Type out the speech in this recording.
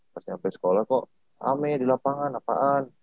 pas nyampe sekolah kok ame di lapangan apaan